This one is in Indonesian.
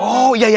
ini juga deh